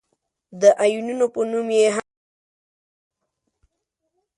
د آیونونو په نوم یې هم یادوي.